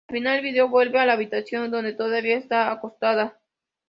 Al final, el vídeo vuelve a la habitación donde todavía está acostada.